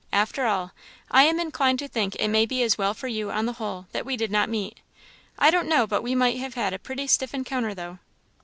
After all, I am inclined to think it may be as well for you on the whole that we did not meet. I don't know but we might have had a pretty stiff encounter, though."